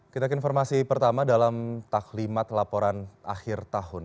kita ke informasi pertama dalam taklimat laporan akhir tahun